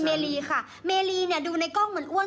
เมรีค่ะเมรีเนี่ยดูในกล้องเหมือนอ้วน